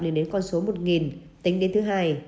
liên đến con số một tính đến thứ hai